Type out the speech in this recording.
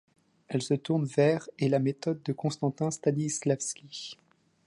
Elle se tourne vers et la méthode de Constantin Stanislavski.